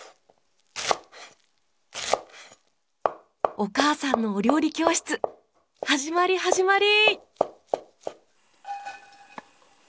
お母さんのお料理教室始まり始まり！